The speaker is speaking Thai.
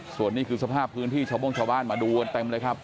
ส่วนนี้คือสภาพพื้นที่ชาวโม่งชาวบ้านมาดูกันเต็มเลยครับ